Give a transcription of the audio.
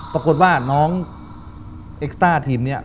ปรากฏว่าน้องเอ็กซ์ต้าทีมนี้